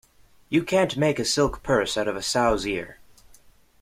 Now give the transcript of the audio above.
You can't make a silk purse out of a sow's ear.